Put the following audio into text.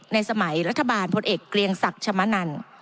ในสมัยรัฐบาลพลเอกเกลียงศักดิ์ชมนัน